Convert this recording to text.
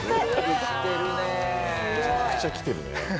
「すごい」「めちゃくちゃ来てるね」